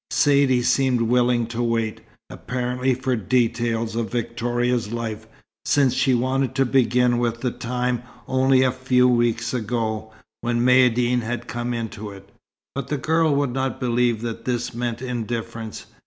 Saidee seemed willing to wait, apparently, for details of Victoria's life, since she wanted to begin with the time only a few weeks ago, when Maïeddine had come into it. But the girl would not believe that this meant indifference.